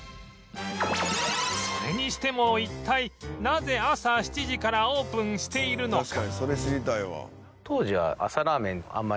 それにしても一体なぜ朝７時からオープンしているのか？